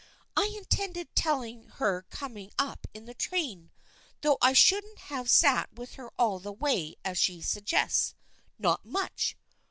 I intended telling her coming up in the train, though I shouldn't have sat with her all the way as she suggests. Not much